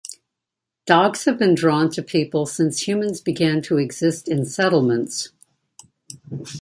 Dogs have been drawn to people since humans began to exist in settlements.